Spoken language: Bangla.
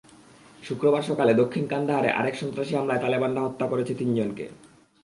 শুক্রবার সকালে দক্ষিণ কান্দাহারে আরেক সন্ত্রাসী হামলায় তালেবানরা হত্যা করেছে তিনজনকে।